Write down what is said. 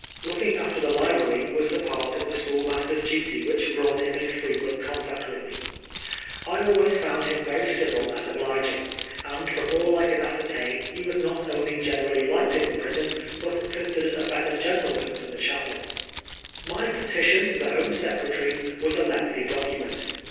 Looking after the library was the part of the school master's duty which brought him in frequent contact with me. I always found him very civil and obliging ; and from all I could ascertain he was not only generally liked in the prison, but considered a better gentleman than the chaplain. My " petition " to the Home Secretary was a lengthy document.